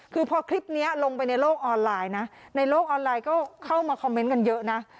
คือพอคลิปนี้ลงไปในโลกออนไลน์นะในโลกออนไลน์ก็เข้ามาคอมเมนต์กันเยอะนะ